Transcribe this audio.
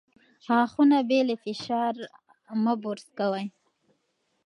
غاښونه بې له فشار مه برس کوئ.